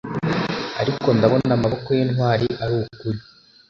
Ariko ndabona amaboko yintwari arukuri